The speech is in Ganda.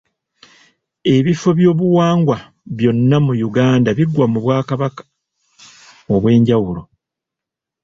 Ebifo byobuwangwa byonna mu Uganda bigwa mu bwakaba obw'enjawulo.